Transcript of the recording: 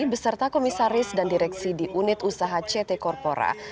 beserta komisaris dan direksi di unit usaha ct corpora